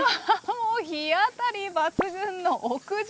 日当たり抜群の屋上。